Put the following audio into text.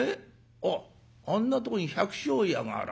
あっあんなとこに百姓家があら。